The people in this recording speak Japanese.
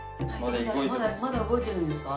まだ動いてるんですか？